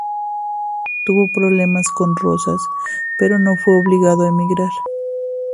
Tuvo problemas con Rosas, pero no fue obligado a emigrar.